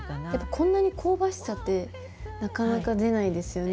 こんなに香ばしさってなかなか出ないですよね。